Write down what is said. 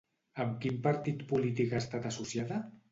Amb quin partit polític ha estat associada?